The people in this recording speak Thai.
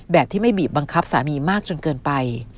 แบบที่ไม่บีบบังคับสามีมากจนเกินไป